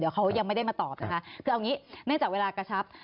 เขายังไม่ได้มาตอบนะคะคือเอางี้เนื่องจากเวลากระชับ